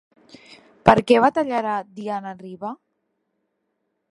Per què batallarà Diana Riba?